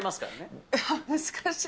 難しい。